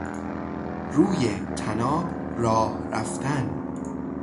روی طناب راه رفتن